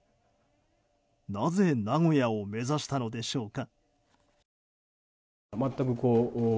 なぜ名古屋を目指したのでしょうか。